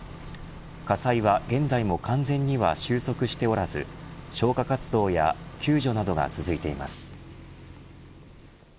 火災は、現在も完全には収束しておらず消火活動や救助などが続いています。